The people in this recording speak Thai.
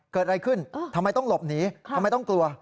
เกิดอะไรขึ้นทำไมต้องหลบหนีทำไมต้องกลัว